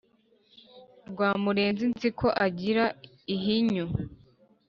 rwamurenzi nzi ko agira ihinyu,